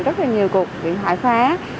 rất nhiều cuộc điện thoại phá